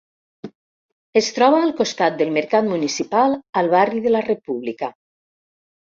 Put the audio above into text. Es troba al costat del mercat municipal, al barri de la República.